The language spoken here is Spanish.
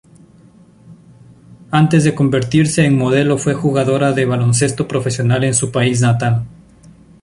Antes de convertirse en modelo fue jugadora de baloncesto profesional en su país natal.